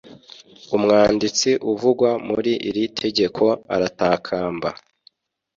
umwanditsi uvugwa muri iri tegeko aratakamba